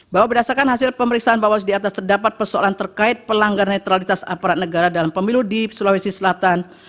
bahwa berdasarkan hasil pemeriksaan bawas di atas terdapat persoalan terkait pelanggar netralitas aparat negara dalam pemilu di sulawesi selatan